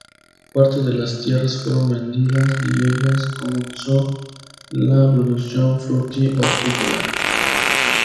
Parte de las tierras fueron vendidas y en ellas comenzó la producción fruti-hortícola.